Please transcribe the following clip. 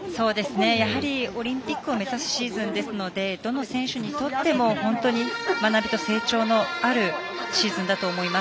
やはりオリンピックを目指すシーズンですのでどの選手にとっても本当に学びと成長のあるシーズンだと思います。